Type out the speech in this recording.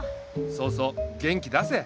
そうそう元気出せ。